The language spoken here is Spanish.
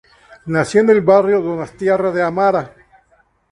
Nació en el barrio donostiarra de Amara.